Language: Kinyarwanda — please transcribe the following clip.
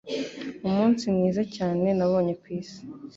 Umunsi mwiza cyane nabonye kwisi!